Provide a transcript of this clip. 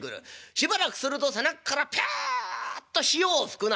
しばらくすると背中からピュッと潮を吹くな。